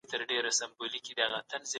هغه وويل چي جبر نسته.